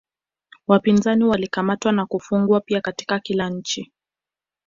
Wapinzani walikamatwa na kufungwa pia Katika kila nchi